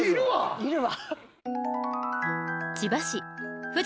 いるわ。